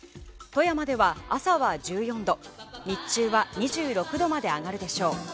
富山では朝は１４度日中は２６度まで上がるでしょう。